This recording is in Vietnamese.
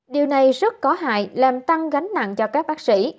điều này rất có hại làm tăng gánh nặng cho các bác sĩ